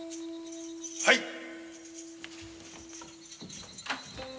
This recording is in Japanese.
はい！